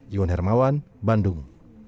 iwan hermawan bandung